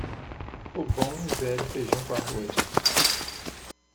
O bom e velho feijão com arroz